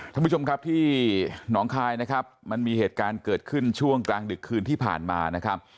ท่านผู้ชมครับที่หนองคายนะครับมันมีเหตุการณ์เกิดขึ้นช่วงกลางดึกคืนที่ผ่านมานะครับ